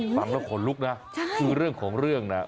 ฟังแล้วขนลุกนะคือเรื่องของเรื่องน่ะ